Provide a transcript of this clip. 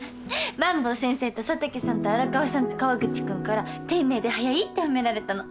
萬坊先生と佐竹さんと荒川さんと河口君から丁寧で早いって褒められたの。